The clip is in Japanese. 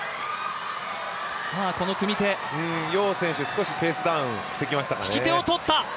楊選手、少しペースダウンしてきましたかね。